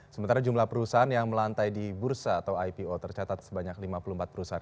sementara jumlah perusahaan yang melantai di bursa atau ipo tercatat sebanyak lima puluh empat perusahaan